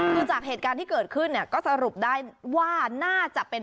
คือจากเหตุการณ์ที่เกิดขึ้นเนี่ยก็สรุปได้ว่าน่าจะเป็น